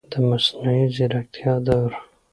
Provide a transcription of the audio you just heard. د مصنوعي ځیرکتیا دور